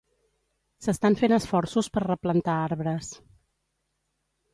S'estan fent esforços per replantar arbres.